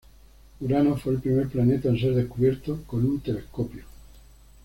Urano fue el primer planeta en ser descubierto con un telescopio.